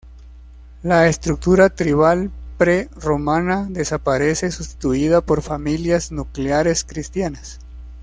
La estructura tribal prerromana desaparece sustituida por familias nucleares cristianas.